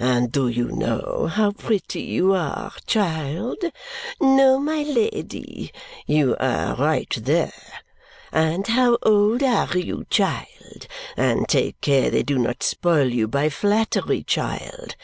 "And do you know how pretty you are, child?" "No, my Lady." You are right there! "And how old are you, child! And take care they do not spoil you by flattery, child!"